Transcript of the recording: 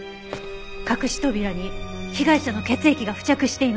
隠し扉に被害者の血液が付着していました。